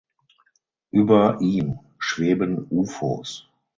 Über ihm schweben Ufos.